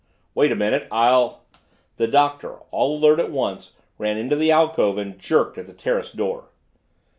"Wait a minute, I'll " The Doctor, all alert at once, ran into the alcove and jerked at the terrace door.